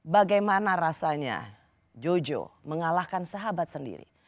bagaimana rasanya jojo mengalahkan sahabat sendiri